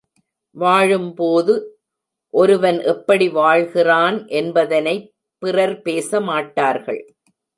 வாழும் போது ஒருவன் எப்படி வாழ்கிறான் என்பதனைப் பிறர் பேச மாட்டார்கள்.